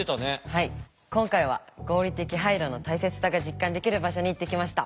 はい今回は合理的配慮の大切さが実感できる場所に行ってきました。